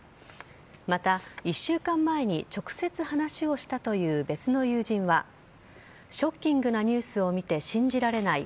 また、１週間前に直接話をしたという別の友人はショッキングなニュースを見て信じられない。